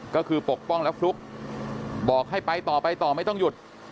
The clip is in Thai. ก็คือปกป้องและฟลุกบอกให้ไปต่อไปต่อไม่ต้องหยุด